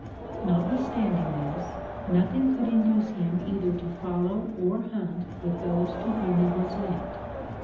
Notwithstanding this, nothing could induce him either to follow or hunt with those to whom he was lent.